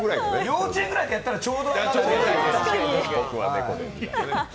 幼稚園ぐらいでやったらちょうど。